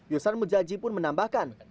yosan mujadji pun menambahkan